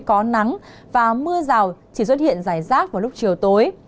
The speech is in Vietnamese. có nắng và mưa rào chỉ xuất hiện rải rác vào lúc chiều tối